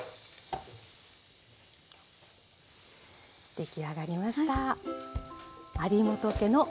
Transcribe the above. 出来上がりました。